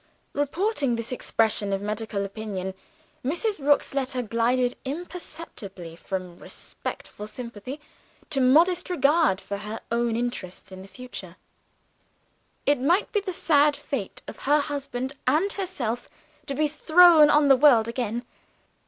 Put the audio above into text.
Reporting this expression of medical opinion, Mrs. Rook's letter glided imperceptibly from respectful sympathy to modest regard for her own interests in the future. It might be the sad fate of her husband and herself to be thrown on the world again.